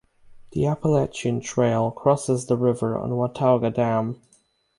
The Appalachian Trail crosses the river on Watauga Dam.